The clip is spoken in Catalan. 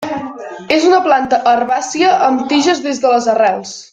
És una planta herbàcia amb tiges des de les arrels.